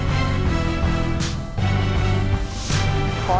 ถ้าคุณมีวิกฤตชีวิตที่หาทางออกไม่ได้